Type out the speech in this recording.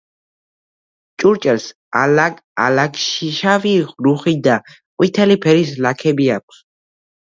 ჭურჭელს ალაგ-ალაგ შავი, რუხი და ყვითელი ფერის ლაქები აქვს.